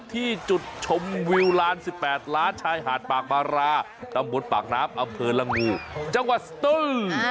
ที่จุดชมวิวลาน๑๘ล้านชายหาดปากบาราตำบลปากน้ำอำเภอละงูจังหวัดสตู